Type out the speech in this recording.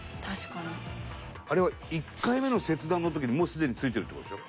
あれは１回目の切断の時にもうすでに付いてるって事でしょ？